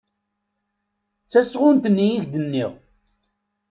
D tasɣunt-nni i k-d-nniɣ.